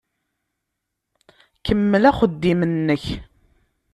Kemmel axeddim-nnek.